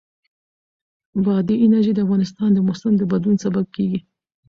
بادي انرژي د افغانستان د موسم د بدلون سبب کېږي.